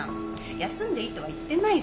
休んでいいとは言ってないじゃん。